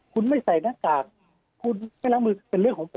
คุณไม่ใส่หน้ากากคุณไม่ล้างมือเป็นเรื่องของผม